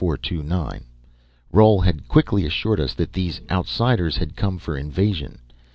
Roal had quickly assured us that these Outsiders had come for invasion.